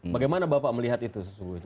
bagaimana bapak melihat itu